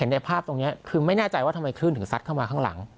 ไม่แน่ใจว่าทำไมคลื่นถึงสัดเข้ามาข้างหลัง